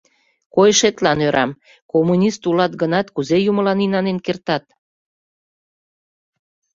— Койышетлан ӧрам: коммунист улат гынат, кузе юмылан инанен картат?